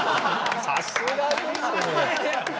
さすがですね。